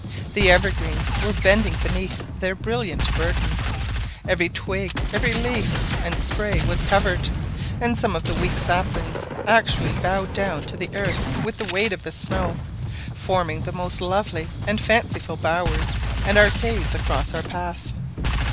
The evergreens were bending beneath their brilliant burden; every twig, every leaf, and spray was covered, and some of the weak saplings actually bowed down to the earth with the weight of snow, forming the most lovely and fanciful bowers and arcades across our path.